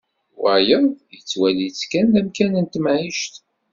Wayeḍ yettwali-tt kan d amkan n temɛict.